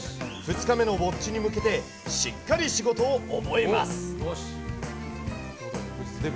２日目のウォッチに向けてしっかり仕事を覚えます。